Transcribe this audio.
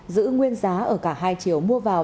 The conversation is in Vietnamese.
giữ nguyên giá ở cả hai triệu mua vào